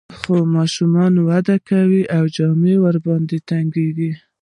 خو ماشوم وده کوي او جامې ورباندې تنګیږي.